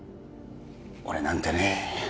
俺なんてね